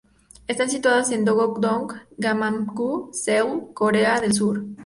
Están situadas en Dogok-dong, Gangnam-gu, Seúl, Corea del Sur.